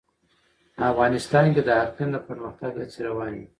افغانستان کې د اقلیم د پرمختګ هڅې روانې دي.